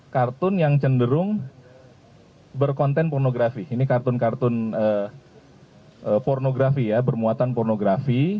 kartun yang cenderung berkonten pornografi ini kartun kartun pornografi ya bermuatan pornografi